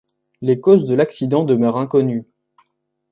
Les causes de l'accident demeurent inconnues.